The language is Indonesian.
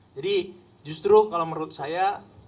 jadi justru kalau menurut saya